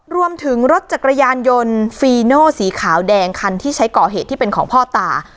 รวมถึงรถจักรยานยนต์ฟีโนสีขาวแดงคันที่ใช้ก่อเหตุที่เป็นของพ่อตา